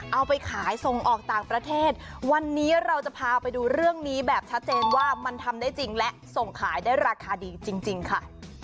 เอาไปขายส่งออกต่างประเทศวันนี้เราจะพาไปดูเรื่องนี้แบบชัดเจนว่ามันทำได้จริงและส่งขายได้ราคาดีจริงค่ะ